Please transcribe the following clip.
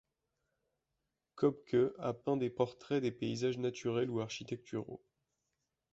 Købke a peint des portraits des paysages naturels ou architecturaux.